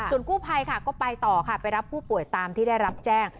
ส่วนกู้ภัยค่ะก็ไปต่อค่ะไปรับผู้ป่วยตามที่ได้รับแจ้ง